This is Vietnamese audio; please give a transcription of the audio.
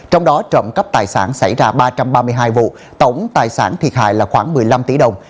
trong đó trộm cắp tài sản xảy ra ba trăm ba mươi hai vụ tổng tài sản thiệt hại là khoảng một mươi năm tỷ đồng